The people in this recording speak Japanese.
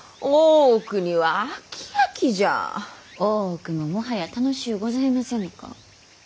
大奥ももはや楽しうございませぬか。